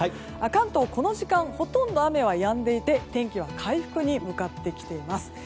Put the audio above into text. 関東、この時間ほとんど雨はやんでいて天気は回復に向かってきています。